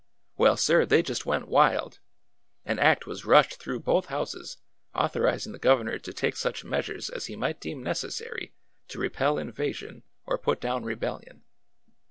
Well, sir, they just went wild ! An act was rushed through both houses authorizing the governor to take such measures as he might deem necessary to repel invasion or put down re bellion.